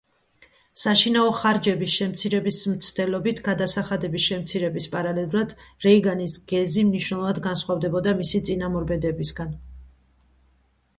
საშინაო ხარჯების შემცირების მცდელობით გადასახადების შემცირების პარალელურად, რეიგანის გეზი მნიშვნელოვნად განსხვავდებოდა მისი წინამორბედებისგან.